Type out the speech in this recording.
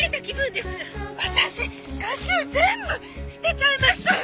「私画集全部捨てちゃいましたよ！」